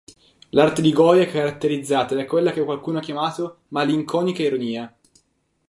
L'arte di Goya è caratterizzata da quella che qualcuno ha chiamato "malinconica ironia".